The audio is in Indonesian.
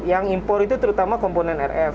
yang impor itu terutama komponen rf